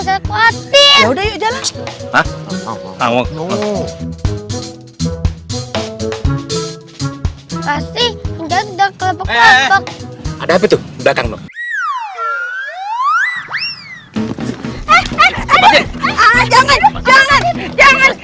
hai bjorn jangan jangan jangan jangan jangan jangan jangan